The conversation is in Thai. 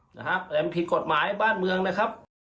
แต่มันผิดกฎหมายบ้านเมืองนะครับ